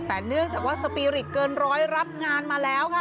แต่เนื่องจากว่าสปีริตเกินร้อยรับงานมาแล้วค่ะ